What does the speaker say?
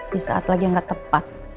di saat lagi yang gak tepat